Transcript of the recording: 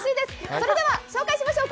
それでは紹介しまょう